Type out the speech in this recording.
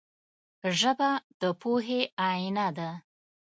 ژبه د پوهې آینه ده